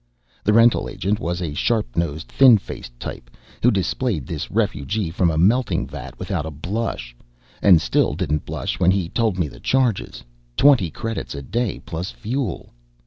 The rental agent was a sharp nosed thin faced type who displayed this refugee from a melting vat without a blush, and still didn't blush when he told me the charges. Twenty credits a day, plus fuel.